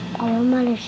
mbak anin aku mau ke rumah